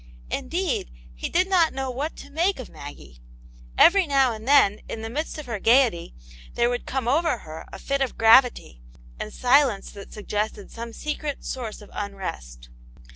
Indeed, he did not know what to make of Maggie : every now and then, in the midst of her gaiety, there would come over her a fit of gravity, and silence that suggested some secret source of unrest.